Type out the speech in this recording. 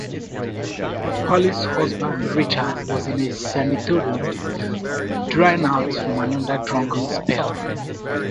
Polly's husband Richard was in a sanitarium drying out from another drunken spell.